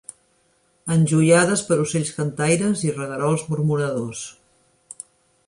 Enjoiades per ocells cantaires i reguerols murmuradors.